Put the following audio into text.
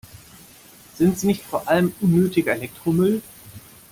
Sind sie nicht vor allem unnötiger Elektromüll?